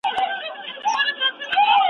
یا د دوی په څېر د زور، عقل څښتن وي .